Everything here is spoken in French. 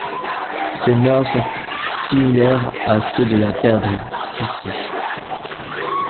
Ses mœurs sont similaires à ceux de la perdrix si-si.